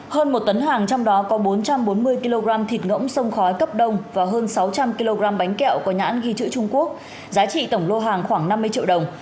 hơn một tấn hàng trong đó có bốn trăm bốn mươi kg thịt ngỗng sông khói cấp đông và hơn sáu trăm linh kg bánh kẹo có nhãn ghi chữ trung quốc giá trị tổng lô hàng khoảng năm mươi triệu đồng